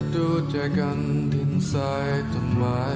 ดูจากกันถึงใส่ต้นไม้ใหญ่